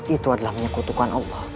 itu adalah menyekutukan allah